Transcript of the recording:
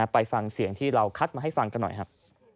ไปฟังเสียงที่เราคัดมาให้ฟังกันหน่อยครับ